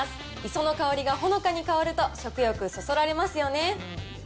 磯の香りがほのかに香ると、食欲そそられますよね。